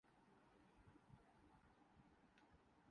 یہ ملک بلخصوص یہ علاقہ ایسے جانوروں کے لیے نہیں ہے